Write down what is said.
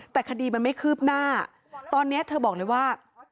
แต่คดีมันไม่คืบหน้าตอนนี้เธอบอกเลยว่า